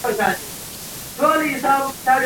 ده وویل چي د مسلمانانو تر منځ یووالی ډېر اړین دی.